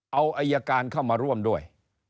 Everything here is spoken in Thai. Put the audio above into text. เอาอายการเข้ามาร่วมด้วย